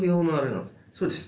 そうです。